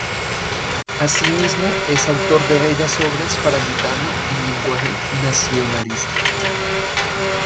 Así mismo es autor de bellas obras para guitarra en lenguaje nacionalista.